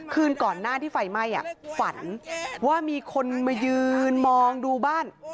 คืนก่อนหน้าที่ไฟไหม้ฝันว่ามีคนมายืนมองดูบ้าน